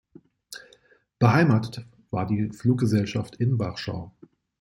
Beheimatet war die Fluggesellschaft in Warschau.